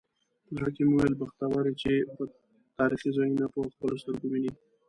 په زړه کې مې وویل بختور یې چې تاریخي ځایونه په خپلو سترګو وینې.